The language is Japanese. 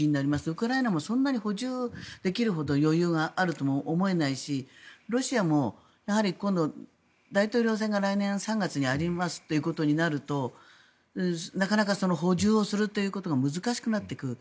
ウクライナもそんなに補充できるほど余裕があるとも思えないしロシアも今度、大統領選挙が来年３月にありますということになるとなかなか補充をするということが難しくなっていく。